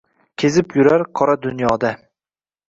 Kezib yurar qora dunyoda